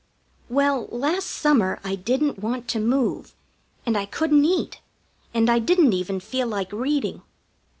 Well, last summer I didn't want to move, and I couldn't eat, and I didn't even feel like reading.